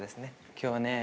今日はね